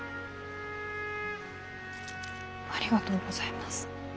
ありがとうございます。